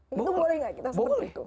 itu boleh nggak kita seperti itu